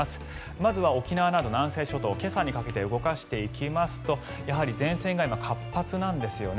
まずは沖縄など南西諸島今朝にかけて動かしていきますとやはり前線が今活発なんですよね。